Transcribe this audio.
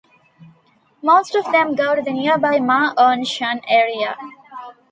Most of them go to the nearby Ma On Shan area.